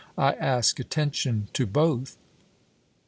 I ask attention to both.